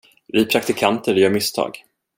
Vi praktikanter gör misstag.